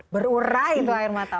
berurah itu air mata